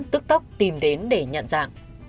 tức tốc tìm đến để nhận dạng